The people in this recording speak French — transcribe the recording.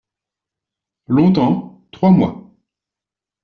Longtemps ? Trois mois.